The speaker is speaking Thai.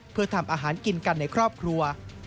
เพื่อทำอาหารกินกันในครอบครัว